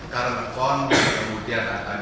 corner corn kemudian akan